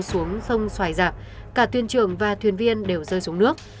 xuống sông xoài giạp cả thuyền trưởng và thuyền viên đều rơi xuống nước